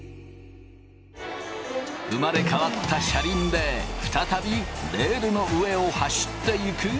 生まれ変わった車輪で再びレールの上を走っていく昴